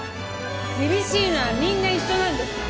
厳しいのはみんな一緒なんです！